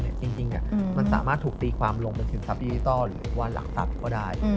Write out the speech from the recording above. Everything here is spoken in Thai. จริงมันสามารถถูกตีความลงไปถึงทรัพดิจิทัลหรือว่าหลักทรัพย์ก็ได้